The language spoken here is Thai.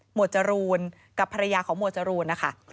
จรูนกับภรรยาของหมวดจรูนนะคะ